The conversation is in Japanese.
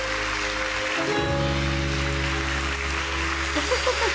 フフフフ！